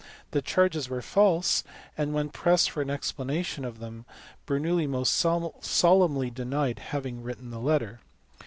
The charges were false, and, when pressed for an explanation of them, Bernoulli most solemnly denied having written the letter.